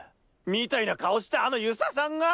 みたいな顔したあの遊佐さんが！？